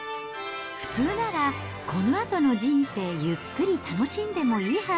普通ならこのあとの人生、ゆっくり楽しんでもいいはず。